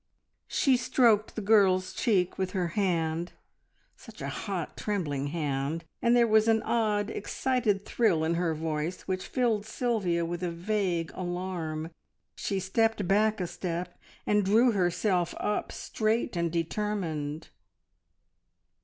She stroked the girl's cheek with her hand such a hot, trembling hand and there was an odd, excited thrill in her voice which filled Sylvia with a vague alarm. She stepped back a step, and drew herself up straight and determined.